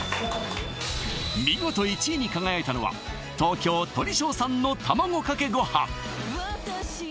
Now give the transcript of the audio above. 見事１位に輝いたのは東京とり匠さんの卵かけごはん